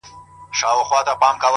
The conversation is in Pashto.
د د سترگو تور دې داسې تور وي-